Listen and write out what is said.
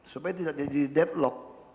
supaya tidak jadi deadlock